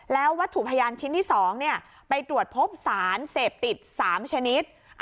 แล้ววัตถุพยานชิ้นที่๒ไปตรวจพบสารเสพติด๓ชนิด